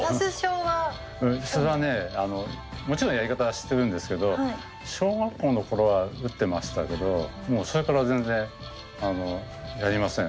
それはねもちろんやり方は知ってるんですけど小学校の頃は打ってましたけどもうそれから全然やりません。